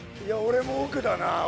いや俺も奥だな。